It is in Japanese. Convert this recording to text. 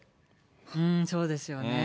そうですよね。